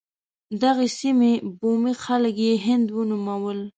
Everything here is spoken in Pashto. دغې سیمې بومي خلک یې هند ونومول.